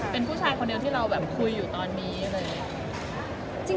เป็นผู้ชายคนเดียวที่เราแบบคุยอยู่ตอนนี้เลย